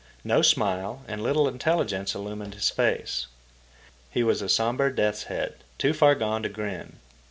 No smile and little intelligence illumined his face. He was a sombre death's head, too far gone to grin.